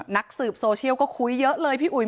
นักสืบโซเชียลก็คุยเยอะเลยพี่อุ๋ย